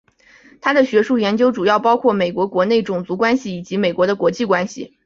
他的学术研究主要包括美国国内种族关系以及美国的国际关系。